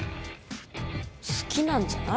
好きなんじゃない？